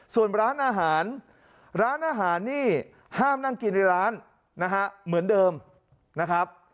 ส่วนร้านอาหารร้านอาหารนี่ห้ามนั่งกินในร้านนะฮะเหมือนเดิมนะครับ